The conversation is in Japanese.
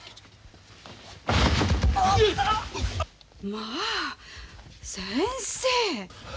まあ先生。